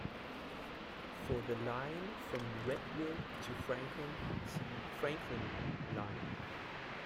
For the line from Readville to Franklin, see Franklin Line.